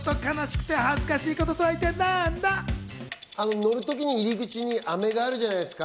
乗る時に入り口に飴があるじゃないですか。